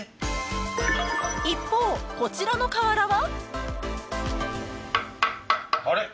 一方こちらの瓦は？